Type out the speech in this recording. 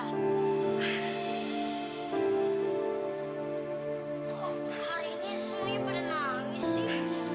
kok hari ini semuanya pada nangis ibu